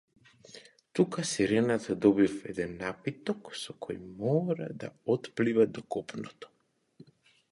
Тука сирената добива еден напиток со кој мора да отплива до копното.